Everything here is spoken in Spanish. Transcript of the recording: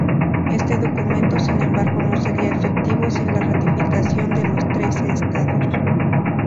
Este documento, sin embargo, no sería efectivo sin la ratificación de los trece Estados.